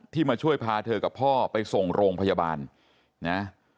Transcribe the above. มาช่วยพาเธอกับพ่อไปส่งโรงพยาบาลนะ